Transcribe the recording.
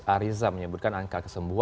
pak riza menyebutkan angka kesembuhan